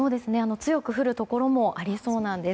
強く降るところもありそうなんです。